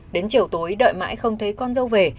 đến chiều tối đợi mãi không thấy con dâu về